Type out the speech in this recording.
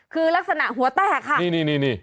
คือลักษณะหัวใต้ค่ะนี่นี่นี่นี่